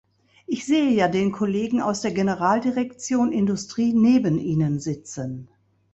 Ich sehe ja den Kollegen aus der Generaldirektion Industrie neben Ihnen sitzen.